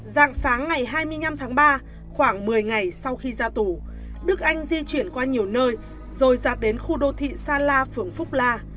dạng sáng ngày hai mươi năm tháng ba khoảng một mươi ngày sau khi ra tù đức anh di chuyển qua nhiều nơi rồi giạt đến khu đô thị sa la phường phúc la